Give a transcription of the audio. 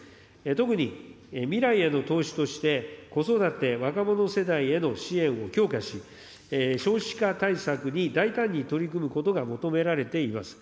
特に未来への投資として、子育て若者世代への支援を強化し、少子化対策に大胆に取り組むことが求められています。